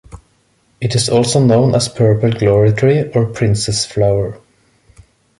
It is also known as purple glory tree or princess flower.